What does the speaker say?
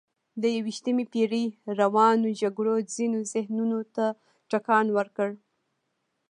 د یویشتمې پېړۍ روانو جګړو ځینو ذهنونو ته ټکان ورکړ.